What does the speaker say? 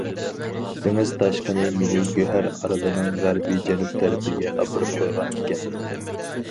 دېڭىز تاشقىنى مېنى گۆھەر ئارىلىنىڭ غەربىي جەنۇب تەرىپىگە ئاپىرىپ قويغان ئىكەن.